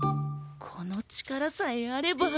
この力さえあれば。